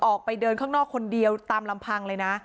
ออกไปเดินข้างนอกคนเดียวตามลำพังเลยนะ